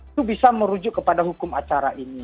itu bisa merujuk kepada hukum acara ini